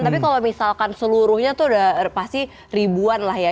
tapi kalau misalkan seluruhnya tuh udah pasti ribuan lah ya